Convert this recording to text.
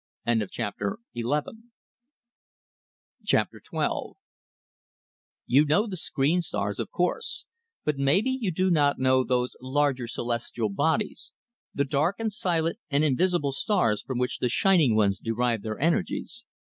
XII You know the screen stars, of course; but maybe you do not know those larger celestial bodies, the dark and silent and invisible stars from which the shining ones derive their energies.